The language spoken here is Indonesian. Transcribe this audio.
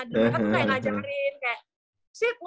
dan mereka tuh kayak ngajarin kayak